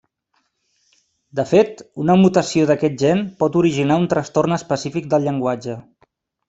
De fet, una mutació d'aquest gen pot originar un trastorn específic del llenguatge.